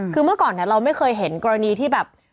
คือเมื่อก่อนเราไม่เคยเห็นกรณีที่แบบ